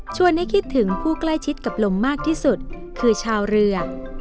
ให้คิดถึงผู้ใกล้ชิดกับลมมากที่สุดคือชาวเรือ